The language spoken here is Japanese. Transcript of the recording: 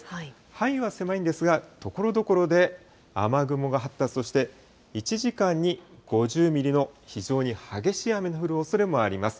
範囲は狭いんですが、ところどころで雨雲が発達、そして１時間に５０ミリの非常に激しい雨の降るおそれもあります。